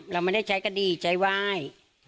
เราไม่ได้ใช้กดีใจวาย